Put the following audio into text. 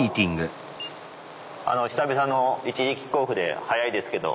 久々の１時キックオフで早いですけど。